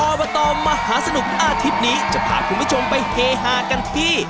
อบตมหาสนุกอาทิตย์นี้จะพาคุณผู้ชมไปเฮฮากันที่